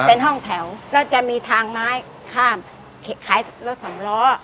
เป็นห้องแถวก็จะมีทางไม้ข้ามขายรถสองล้อ